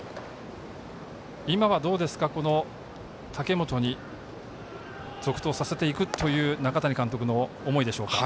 今は武元に続投させていくという中谷監督の思いでしょうか。